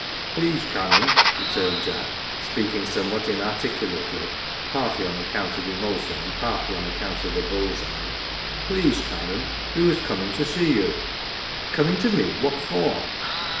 " Please, Canon," returned Jack, speaking somewhat inarticulately, partly on account of emotion and partly on account of the bull's eye " please Canon, we was we was comin 1 to you." " Coming to me ? What for